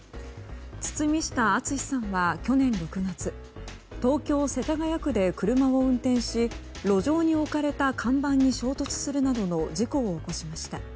堤下敦さんは去年６月東京・世田谷区で車を運転し路上に置かれた看板に衝突するなどの事故を起こしました。